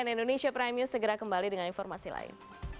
cnn indonesia prime news segera kembali dengan informasi lain